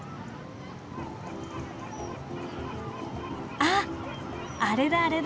あっあれだあれだ！